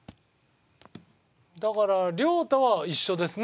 だから亮太は一緒ですね。